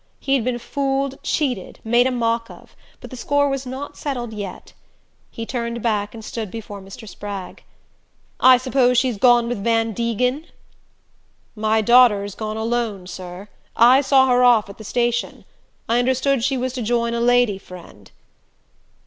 He had been fooled, cheated, made a mock of; but the score was not settled yet. He turned back and stood before Mr. Spragg. "I suppose she's gone with Van Degen?" "My daughter's gone alone, sir. I saw her off at the station. I understood she was to join a lady friend."